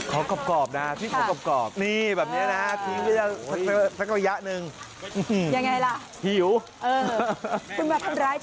ของกรอบนะพี่ของของกรอบ